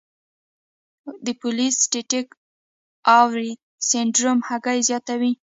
د پولی سیسټک اووری سنډروم هګۍ زیاتوي.